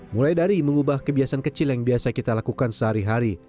mulai dari mengubah kebiasaan kecil yang biasa kita lakukan sehari hari